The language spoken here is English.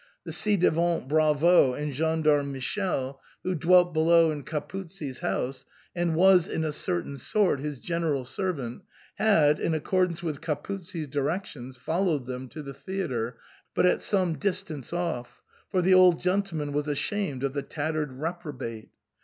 The ci devant bravo and gendarme Michele, who dwelt below in Capuzzi's house, and was in a certain sort his general servant, had, in accordance with Capuzzi's directions, followed them to the theatre, but at sbme distance off, for the old gentleman was ashamed of the tattered reprobate.